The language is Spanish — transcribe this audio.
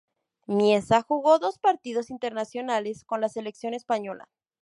Mieza jugó dos partidos internacionales con la selección española.